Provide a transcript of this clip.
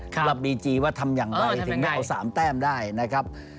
กับบีจีว่าทำอย่างไรถึงไม่เอา๓แต้มได้นะครับ